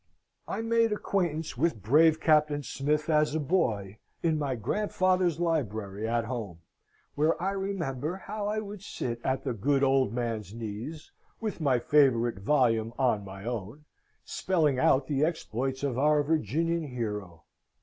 I made acquaintance with brave Captain Smith, as a boy in my grandfather's library at home, where I remember how I would sit at the good old man's knees, with my favourite volume on my own, spelling out the exploits of our Virginian hero.